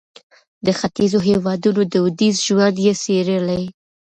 د ختیځو هېوادونو دودیز ژوند یې څېړلی.